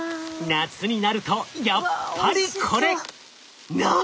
夏になるとやっぱりこれ！わ！